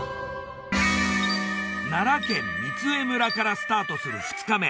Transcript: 奈良県御杖村からスタートする２日目。